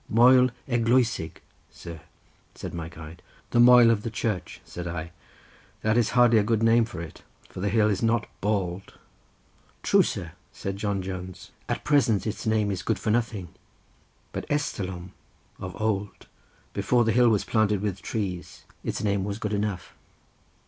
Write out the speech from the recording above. "Moel Eglwysig, sir," said my guide. "The Moel of the Church," said I. "That is hardly a good name for it, for the hill is not bald (moel)." "True, sir," said John Jones. "At present its name is good for nothing, but estalom (of old) before the hill was planted with trees its name was good enough.